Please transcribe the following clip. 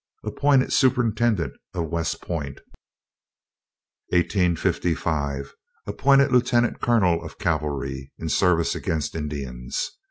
Appointed superintendent of West Point. 1855. Appointed lieutenant colonel of cavalry, in service against Indians.